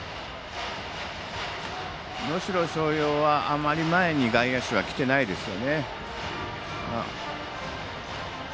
能代松陽はあまり前に外野手は来ていないですね。